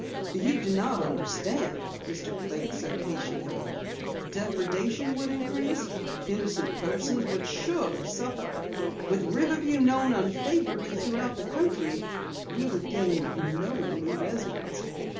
"You do not understand," Mr. Blake said patiently. "Depredation would increase, innocent persons surely would suffer. With Riverview known unfavorably throughout the country, we would gain no new residents."